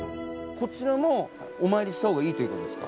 こちらもお参りした方がいいということですか？